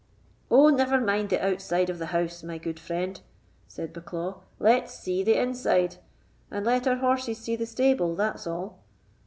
"Oh, never mind the outside of the house, my good friend," said Bucklaw; "let's see the inside, and let our horses see the stable, that's all."